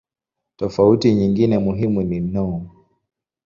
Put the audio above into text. Tofauti nyingine muhimu ni no.